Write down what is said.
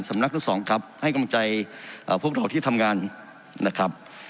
สำนักทั้งสองครับให้กำลังใจพวกเราที่ทำงานนะครับ